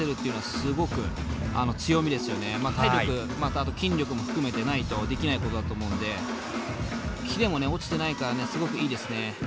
あと筋力も含めてないとできないことだと思うんでキレも落ちてないからすごくいいですね。